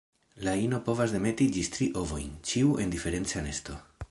La ino povas demeti ĝis tri ovojn, ĉiu en diferenca nesto.